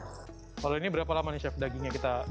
kalau ini berapa lama nih chef dagingnya kita